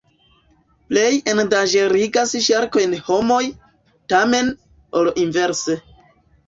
Plej endanĝerigas ŝarkojn homoj, tamen, ol inverse.